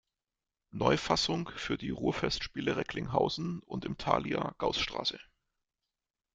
Neufassung für die Ruhrfestspiele Recklinghausen und im Thalia-Gaußstr.